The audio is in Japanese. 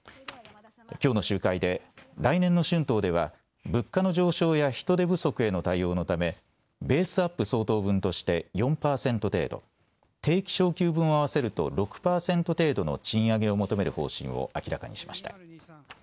きょうの集会で来年の春闘では物価の上昇や人手不足への対応のためベースアップ相当分として４％程度、定期昇給分を合わせると６％程度の賃上げを求める方針を明らかにしました。